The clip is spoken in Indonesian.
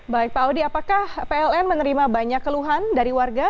baik pak audi apakah pln menerima banyak keluhan dari warga